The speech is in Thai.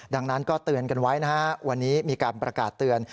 ดังนั้นก็เตือนกันไว้นะฮะวันนี้มีการประกาศเตือน